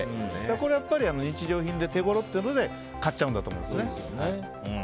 これはやっぱり日用品で手ごろっていうので買っちゃうんだと思いますね。